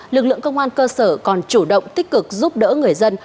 lực lượng công an cơ sở còn chủ động tích cực giúp đỡ người dân